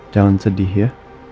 jangan sedih ya